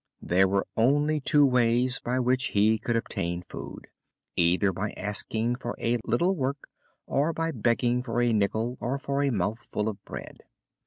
There were only two ways by which he could obtain food either by asking for a little work, or by begging for a nickel or for a mouthful of bread.